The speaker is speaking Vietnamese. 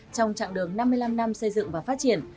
trong trạng đường năm mươi năm năm xây dựng và phát triển